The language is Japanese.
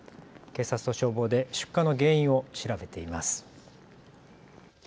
警察と消防で出火の原因を調べています。